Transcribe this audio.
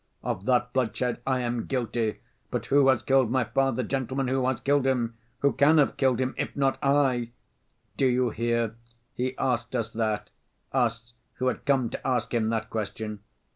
'Of that bloodshed I am guilty, but who has killed my father, gentlemen, who has killed him? Who can have killed him, if not I?' Do you hear, he asked us that, us, who had come to ask him that question!